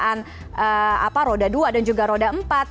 jadi ini juga ada juga apa roda dua dan juga roda empat